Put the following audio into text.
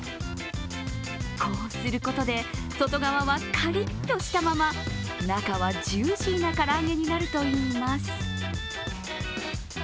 こうすることで、外側はカリッとしたまま中はジューシーな唐揚げになるといいます。